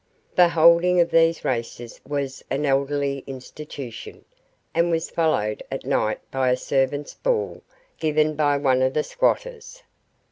The holding of these races was an elderly institution, and was followed at night by a servants' ball given by one of the squatters.